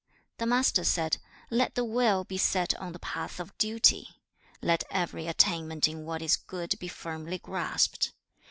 1. The Master said, 'Let the will be set on the path of duty. 2. 'Let every attainment in what is good be firmly grasped.